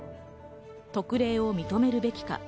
特例を認めるべきか？